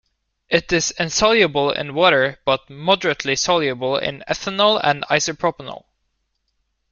It is insoluble in water, but moderately soluble in ethanol and isopropanol.